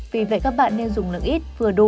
vì vậy các bạn nên dùng lượng ít vừa đủ